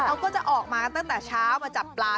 เขาก็จะออกมากันตั้งแต่เช้ามาจับปลา